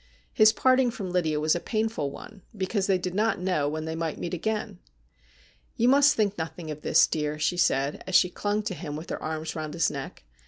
His parting from Lydia was a painful one, because they did not know when they might meet again. ' You must think nothing of this, dear,' she said, as she clung to him with her arms round his neck.